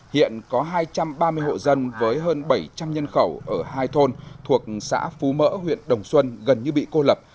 hiện có hai trăm ba mươi hộ dân với hơn bảy trăm linh nhân khẩu ở hai thôn thuộc xã phú mỡ huyện đồng xuân gần như bị cô lập